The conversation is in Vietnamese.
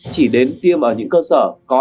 chỉ đến tiêm ở những cơ sở có